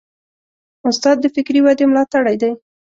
استاد د فکري ودې ملاتړی دی.